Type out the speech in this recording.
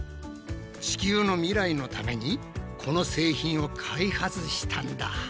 地球の未来のためにこの製品を開発したんだ。